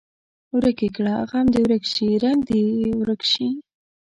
ورک یې کړه غم دې ورک شي رنګ دې یې ورک شي.